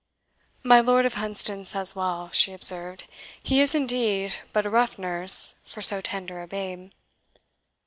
"My Lord of Hunsdon says well," she observed, "he is indeed but a rough nurse for so tender a babe."